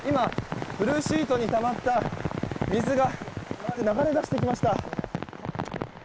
ブルーシートにたまった水が流れ出してきました。